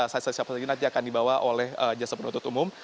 saksi saksi apa saja yang akan dibawa oleh jasa penutup umum